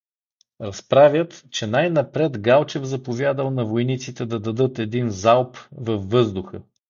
Разправят, че най-напред Галчев заповядал на войниците да дадат един залп във въздуха.